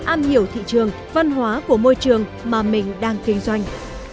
am hiểu thị trường văn hóa của môi trường mà mình đang kinh doanh